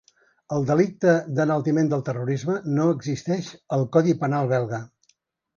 El delicte d’enaltiment del terrorisme no existeix al codi penal belga.